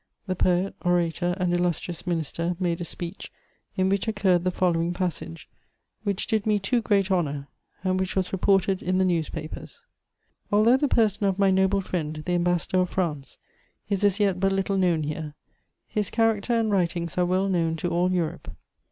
The poet, orator, and illustrious minister made a speech in which occurred the following passage, which did me too great honour, and which was reported in the newspapers: "Although the person of my noble friend, the Ambassador of France, is as yet but little known here, his character and writings are well known to all Europe.